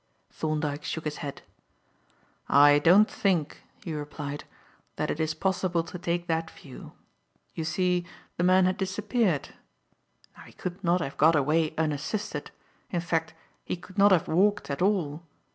Thorndyke shook his head. "I don't think," he replied, "that it is possible to take that view. You see the man had disappeared. Now he could not have got away unassisted, in fact he could not have walked at all.